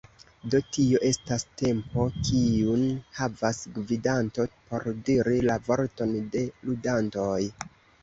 Do tio estas tempo kiun havas gvidanto por diri la vorton de ludantoj.